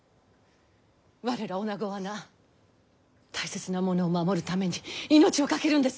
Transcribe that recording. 我らおなごはな大切なものを守るために命を懸けるんです。